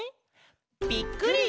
ぴっくり！